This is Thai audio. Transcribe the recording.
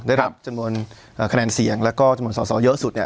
ได้รับจำนวนคะแนนเสียงแล้วก็จำนวนสอสอเยอะสุดเนี่ย